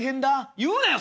言うなよ